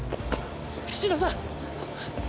菱田さん！